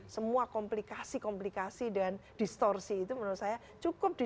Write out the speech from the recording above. semua komplikasi komplikasi dan distorsi itu menurut saya cukup di dua ribu sembilan belas